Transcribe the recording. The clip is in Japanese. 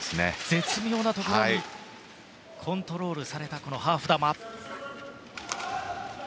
絶妙なところにコントロールされたハーフ球。